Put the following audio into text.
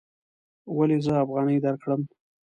ولې زه افغانۍ درکړم؟